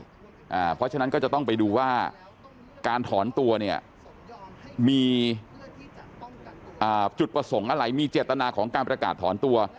เพราะฉะนั้นก็จะต้องไปดูว่าการถอนตัวเนี่ยมีจุดประสงค์อะไรมีเจตนาของการประกาศถอนตัว